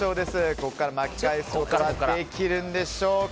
ここから巻き返すことができるんでしょうか。